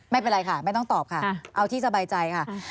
ไม่เป็นไรค่ะไม่ต้องตอบค่ะเอาที่สบายใจค่ะ